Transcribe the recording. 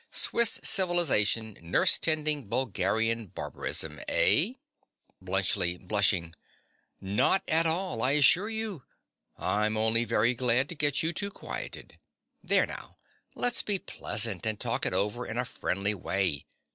Swiss civilization nursetending Bulgarian barbarism, eh? BLUNTSCHLI. (blushing). Not at all, I assure you. I'm only very glad to get you two quieted. There now, let's be pleasant and talk it over in a friendly way.